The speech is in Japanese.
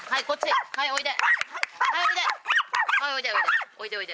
はいおいで。